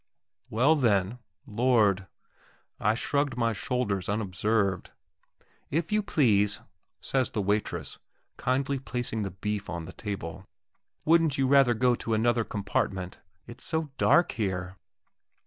Well, then, Lord!... I shrugged my shoulders unobserved. "If you please," says the waitress, kindly placing the beef on the table, "wouldn't you rather go to another compartment, it's so dark here?"